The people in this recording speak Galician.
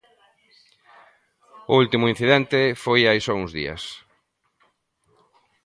O último incidente foi hai só uns días.